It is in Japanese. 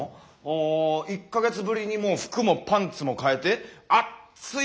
あ１か月ぶりにもう服もパンツも替えてあっつい